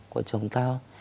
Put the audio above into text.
của chồng tao